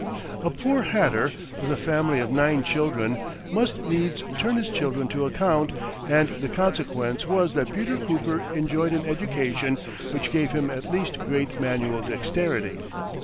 A poor hatter, with a family of nine children, must needs turn his children to account, and the consequence was that Peter Cooper enjoyed an education which gave him at least great manual dexterity.